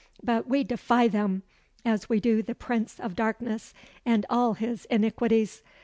"But we defy them, as we do the Prince of Darkness, and all his iniquities.